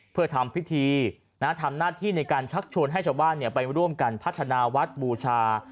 เพื่อทำพิธีทำหน้าที่ในการชักชวนให้ชาวบ้านไปร่วมกันพัฒนาวัดบูชา